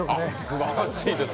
すばらしいです